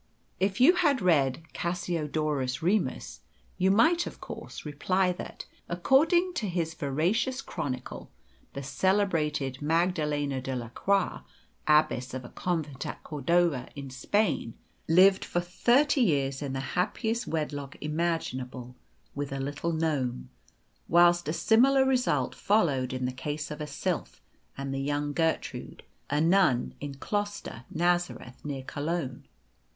If you had read Cassiodorus Remus you might, of course, reply that, according to his veracious chronicle, the celebrated Magdalena de la Croix, abbess of a convent at Cordova, in Spain, lived for thirty years in the happiest wedlock imaginable with a little gnome, whilst a similar result followed in the case of a sylph and the young Gertrude, a nun in Kloster Nazareth, near Cologne.